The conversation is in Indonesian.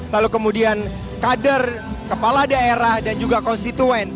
lalu kemudian kader kepala daerah dan juga konstituen